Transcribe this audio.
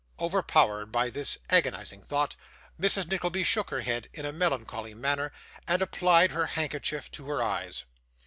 Overpowered by this agonising thought, Mrs. Nickleby shook her head, in a melancholy manner, and applied her handkerchief to her eyes.